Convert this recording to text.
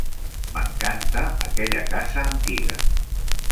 M'encanta aquella casa antiga.